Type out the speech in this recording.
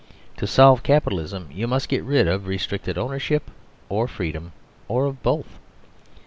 To solve Capitalism you must get rid of restricted ownership, or of freedom, or of both.